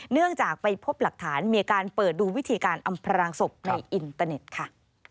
เนื่องจากไปพบหลักฐานมีการเปิดดูวิธีการอำพรางศพในอินเตอร์เน็ตค่ะ